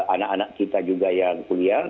anak anak kita juga yang kuliah